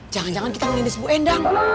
jangan jangan kita merintis bu endang